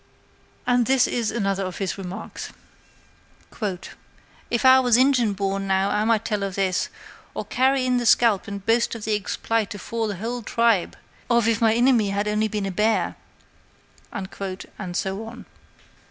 And this is another of his remarks: "'If I was Injin born, now, I might tell of this, or carry in the scalp and boast of the expl'ite afore the whole tribe; or if my inimy had only been a bear'" and so on.